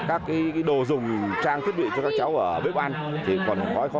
các đồ dùng trang thiết bị cho các cháu ở bếp ăn thì còn khó khăn